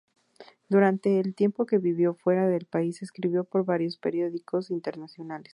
Durante el tiempo que vivó fuera del país escribió para varios periódicos internacionales.